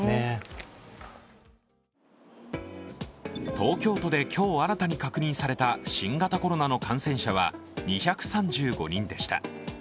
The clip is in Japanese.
東京都で今日新たに確認された新型コロナの感染者は２３５人でした。